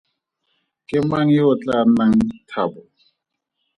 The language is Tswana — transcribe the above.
Ke mang yo o tlaa nnang Thabo?